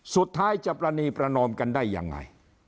สุดท้ายจะปรณีประนอมกันได้ยังไง